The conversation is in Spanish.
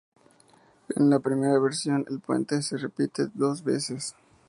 En la primera versión el puente se repite dos veces.